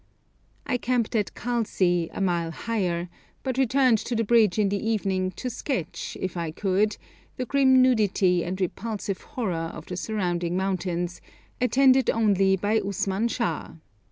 I camped at Khalsi, a mile higher, but returned to the bridge in the evening to sketch, if I could, the grim nudity and repulsive horror of the surrounding mountains, attended only by Usman Shah.